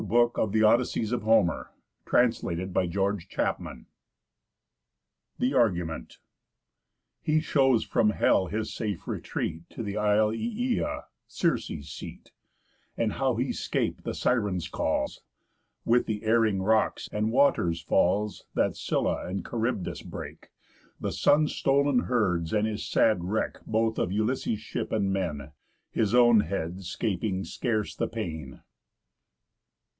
Ajax the son of Telamon. THE TWELFTH BOOK OF HOMER'S ODYSSEYS THE ARGUMENT He shows from Hell his safe retreat To th' isle Ææa, Circe's seat; And how he 'scap'd the Sirens' calls, With th' erring rocks, and waters' falls, That Scylla and Charybdis break; The Sun' s stol' n herds; and his sad wreak Both of Ulysses' ship and men, His own head 'scaping scarce the pain.